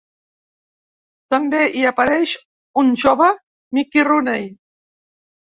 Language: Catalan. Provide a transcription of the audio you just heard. També hi apareix un jove Mickey Rooney.